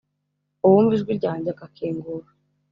Uwumva ijwi ryanjye agakingura